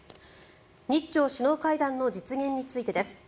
日朝首脳会談の実現についてです。